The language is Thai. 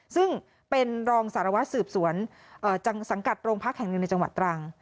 ซึ่งเป็นรองสารวัตรสืบสวนสังกัดโรงพักแห่งหนึ่งในจังหวัดตรัง